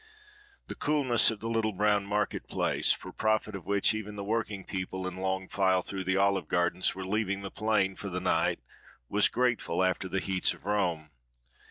The coolness of the little brown market place, for profit of which even the working people, in long file through the olive gardens, were leaving the plain for the night, was grateful, after the heats of Rome.